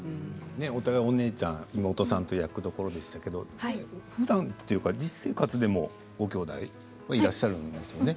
お互いお姉ちゃん妹さんという役どころですが、ふだん実生活でも、ごきょうだいはいらっしゃるんですよね？